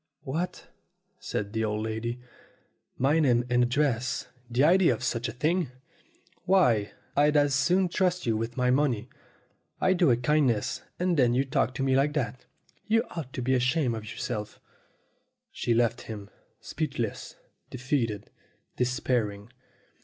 "What?" said the old lady. "My name and ad dress? The idea of such a thing! Why, I'd as soon trust you with my money. I do a kindness, and then you talk to me like that. You ought to be ashamed' of yourself." She left him speechless, defeated, despairing.